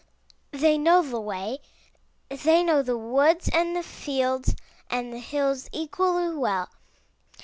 They know the way; they know the woods and the fields and the hills equally well.